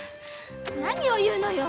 何を言うのよ